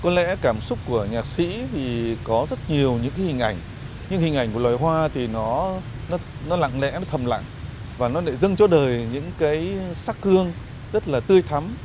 có lẽ cảm xúc của nhạc sĩ thì có rất nhiều những cái hình ảnh những hình ảnh của loài hoa thì nó lặng lẽ nó thầm lặng và nó lại dâng cho đời những cái sắc cương rất là tươi thắm